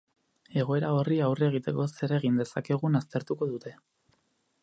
Egoera horri aurre egiteko zer egin dezakegun aztertuko dute.